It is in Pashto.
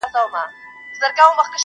پر انګړ يې د پاتا كمبلي ژاړي؛